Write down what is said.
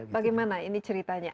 bagaimana ini ceritanya